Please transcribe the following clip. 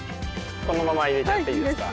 このまま入れちゃっていいですか？